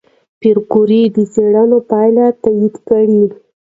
پېیر کوري د څېړنې پایله تایید کړه.